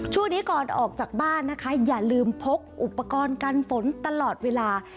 ช่วงนี้ก่อนออกจากบ้านนะคะอย่าลืมพกอุปกรณ์กันฝนตลอดเวลา